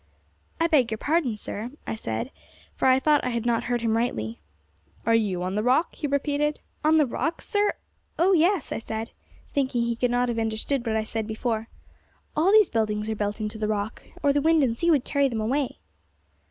'I beg your pardon, sir,' I said, for I thought I had not heard him rightly. 'Are you on the Rock?' he repeated. 'On the rock, sir? oh, yes,' I said, thinking he could not have understood what I said before. 'All these buildings are built into the rock, or the wind and sea would carry them away.'